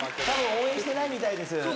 たぶん応援してないみたいです。